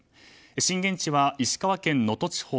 震源地は石川県能登地方。